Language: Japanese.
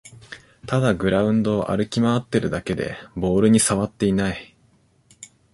ただグラウンドを歩き回ってるだけでボールにさわっていない